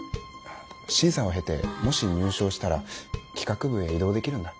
審査を経てもし入賞したら企画部へ異動できるんだ。